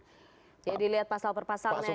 jadi lihat pasal per pasalnya gitu ya